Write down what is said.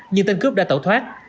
nhưng tên cướp đã tẩu thoát